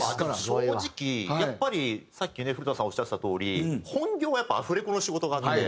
正直やっぱりさっきね古田さんおっしゃってたとおり本業はやっぱアフレコの仕事があって。